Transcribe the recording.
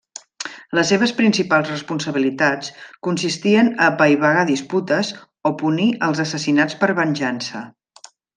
Les seves principals responsabilitats consistien a apaivagar disputes o punir els assassinats per venjança.